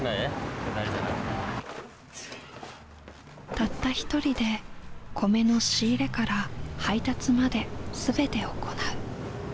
たった一人で米の仕入れから配達まで全て行う。